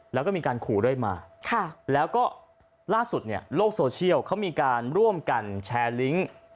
แล้วก็มีการขู่เรื่อยมาแล้วก็ล่าสุดเนี่ยโลกโซเชียลเขามีการร่วมกันแชร์ลิงค์